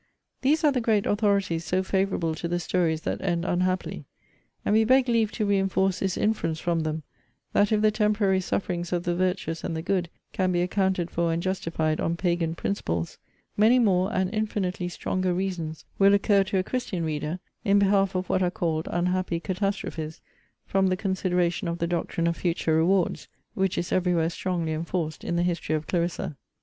These are the great authorities so favourable to the stories that end unhappily. And we beg leave to reinforce this inference from them, that if the temporary sufferings of the virtuous and the good can be accounted for and justified on Pagan principles, many more and infinitely stronger reasons will occur to a Christian reader in behalf of what are called unhappy catastrophes, from the consideration of the doctrine of future rewards; which is every where strongly enforced in the History of Clarissa.